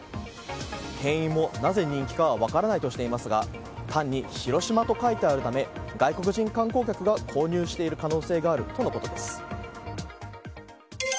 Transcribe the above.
店員も、なぜ人気かは分からないとしていますが単に「ＨＩＲＯＳＨＩＭＡ」と書いてあるため外国人観光客が購入している可能性があるとのことです。